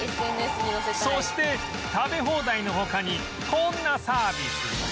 そして食べ放題の他にこんなサービスも